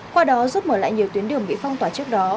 qua đó giúp mở lại nhiều tuyến đường bị phong tỏa trước đó